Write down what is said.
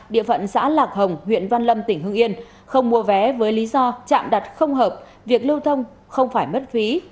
địa phận xã lạc hồng huyện văn lâm tỉnh hưng yên không mua vé với lý do chạm đặt không hợp việc lưu thông không phải mất phí